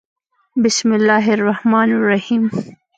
بسم الله الرحمن الرحیم